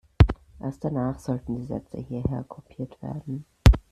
Erst danach sollten die Sätze hierher kopiert werden.